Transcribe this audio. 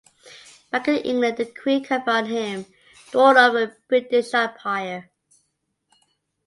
Back in England the Queen conferred on him the Order of the British Empire.